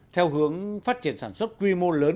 theo hướng phát triển sản xuất quy mô lớn